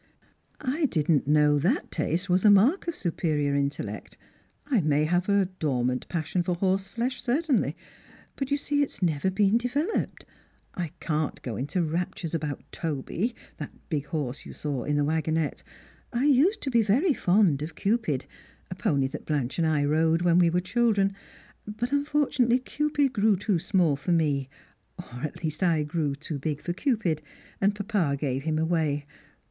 " I did not know that taste was a mark of superior intellect ; I may have a dormant passion for horseflesh, certainly, but you Bee it has never been developed. I can't go into raptures about Toby, that big horse you saw in the wagonette. I used *o be very fond of Cupid, a pony that Blanche and I rode when we were children ; but unfortunately Cupid grew too small for me, or at least I grew too big for Cupid, and papa gave him away.